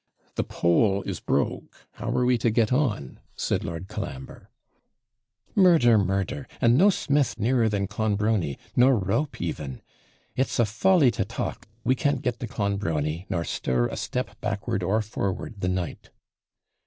'The pole is broke; how are we to get on?' said Lord Colambre. 'Murder! murder! and no smith nearer than Clonbrony; nor rope even. It's a folly to talk, we can't get to Clonbrony, nor stir a step backward or forward the night.'